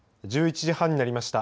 １１時半になりました。